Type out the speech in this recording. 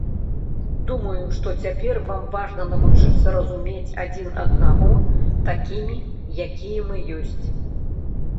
Думаю, што цяпер вам важна навучыцца разумець адзін аднаго такімі, якія мы ёсць.